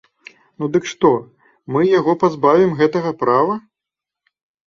Ну дык што, мы яго пазбавім гэтага права?